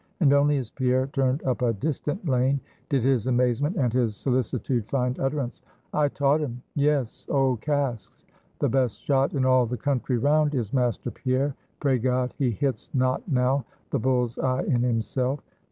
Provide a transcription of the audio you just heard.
And only as Pierre turned up a distant lane, did his amazement and his solicitude find utterance. "I taught him yes, old Casks; the best shot in all the country round is Master Pierre; pray God he hits not now the bull's eye in himself.